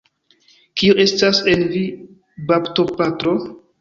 Kio estas en vi, baptopatro?